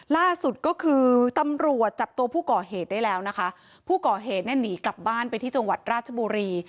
ล่าสุดก็คือตำรวจจับตัวผู้ก่อเหตุได้แล้วนะคะผู้ก่อเหตุเนี่ยหนีกลับบ้านไปที่จังหวัดราชบุรี